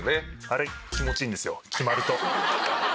あれ気持ちいいんですよ決まると。